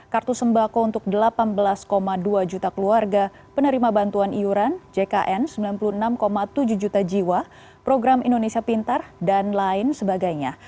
kartu sembako untuk delapan belas dua juta keluarga penerima bantuan iuran jkn sembilan puluh enam tujuh juta jiwa program indonesia pintar dan lain sebagainya